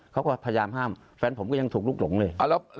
เขาก็พยายามห้ามแฟนผมก็ยังถูกลุกหลงเลย